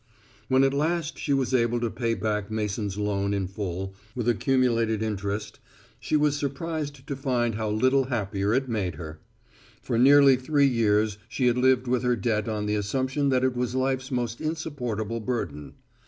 When at last she was able to pay back Mason's loan in full, with accumulated interest, she was surprised to find how little happier it made her. For nearly three years she had lived with her debt on the assumption that it was life's most insupportable burden.